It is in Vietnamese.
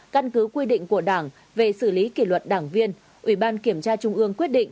căn cứ quy định của đảng về xử lý kỷ luật đảng viên ubkt trung ương quyết định